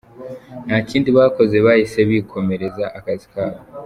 Nta kindi bakoze bahise bikomereza akazi kabo.